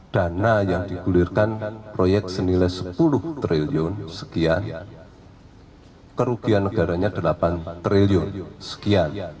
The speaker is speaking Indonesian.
dana yang digulirkan proyek senilai sepuluh triliun sekian kerugian negaranya delapan triliun sekian